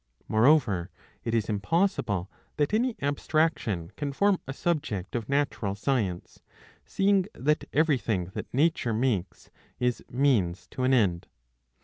^' Moreover, it is impossible that any abstraction^® can form a subject of natural science, seeing that everything that Nature makes is means to an end.